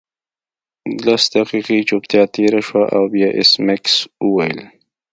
لس دقیقې چوپتیا تیره شوه او بیا ایس میکس وویل